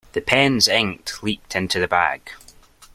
The pen's ink leaked into the bag.